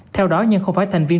theo đó nhân không phải thành viên